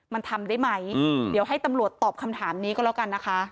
มันทำได้ไหมเดี๋ยวให้ตำรวจตอบคำถามนี้ก็แล้วกันนะคะ